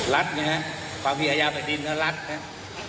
รัฐนะครับความผิดอาญาแผ่นดินและรัฐนะ